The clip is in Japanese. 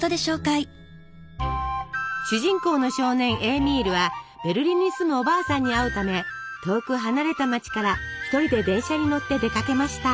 主人公の少年エーミールはベルリンに住むおばあさんに会うため遠く離れた街から一人で電車に乗って出かけました。